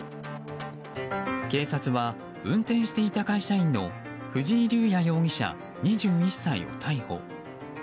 警察は運転していた会社員の藤井龍夜容疑者、２１歳を逮捕。